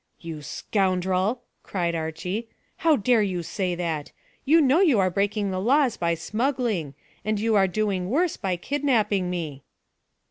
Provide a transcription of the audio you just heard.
"You scoundrel!" cried Archy, "how dare you say that? You know you are breaking the laws by smuggling, and you are doing worse by kidnapping me."